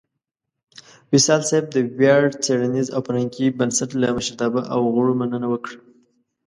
وصال صېب د ویاړ څیړنیز او فرهنګي بنسټ لۀ مشرتابۀ او غړو مننه وکړه